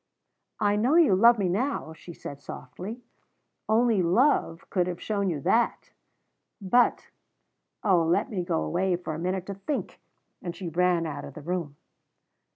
"I know you love me now," she said softly. "Only love could have shown you that. But oh, let me go away for a minute to think!" And she ran out of the room.